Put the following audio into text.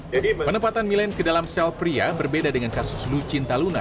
jadi penempatan milen ke dalam sel pria berbeda dengan kasus lucinta luna